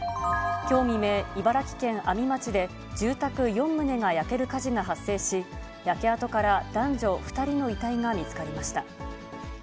きょう未明、茨城県阿見町で、住宅４棟が焼ける火事が発生し、焼け跡から男女２人の遺体が見つかりました。